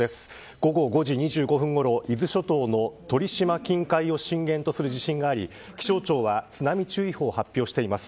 午後５時２５分ごろ伊豆諸島の鳥島近海を震源とする地震があり気象庁は津波注意報を発表しています。